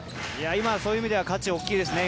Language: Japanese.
今、そういう意味では価値が大きいですね。